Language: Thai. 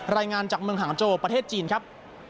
รายงานจากเมืองหางโจประเทศจีนครับ